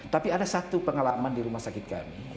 tapi ada satu pengalaman di rumah sakit kami